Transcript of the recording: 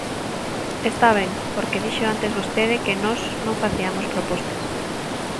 Está ben, porque dixo antes vostede que nós non faciamos propostas.